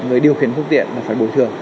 người điều khiển phương tiện là phải bồi thường